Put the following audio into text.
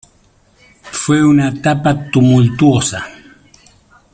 Fue una etapa tumultuosa.